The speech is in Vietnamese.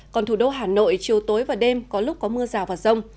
còn thủ đô hà nội chiều tối và đêm có lúc có mưa rào và rông